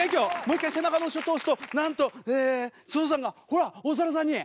もう一回背中の後ろ通すとなんと象さんがほらお猿さんに。